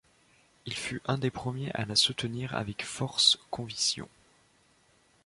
Il fut un des premiers à la soutenir avec force conviction.